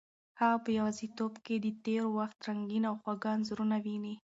هغه په یوازیتوب کې د تېر وخت رنګین او خوږ انځورونه ویني.